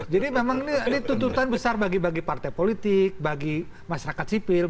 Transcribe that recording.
jadi memang ini tuntutan besar bagi bagi partai politik bagi masyarakat sipil